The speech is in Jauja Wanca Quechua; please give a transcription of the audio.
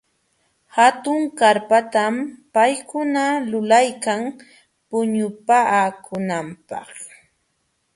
Hatun karpatam paykuna lulaykan puñupaakunanpaq.